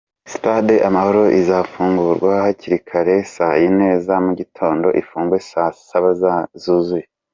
Sitade Amahoro ikazafungurwa hakiri kare, Saa yine za mugitondo, ifungwe Saa saba zuzuye.